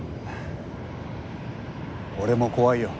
俺も怖いよ。